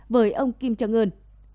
với ông kim trương ưn